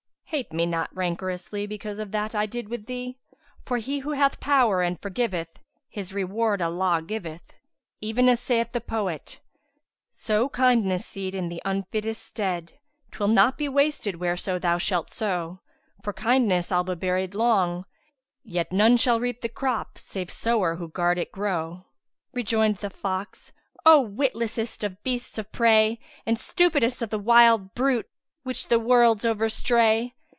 Hate me not rancorously because of that I did with thee; for he who hath power and forgiveth, his reward Allah giveth; even as saith the poet, 'Sow kindness seed in the unfittest stead; * 'Twill not be wasted whereso thou shalt sow: For kindness albe buried long, yet none * Shall reap the crop save sower who garred it grow.'" Rejoined the fox, "O witlessest of beasts of prey and stupidest of the wild brutes which the wolds overstray!